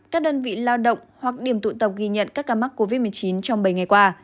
các đơn vị lao động hoặc điểm tụ tập ghi nhận các ca mắc covid một mươi chín trong bảy ngày qua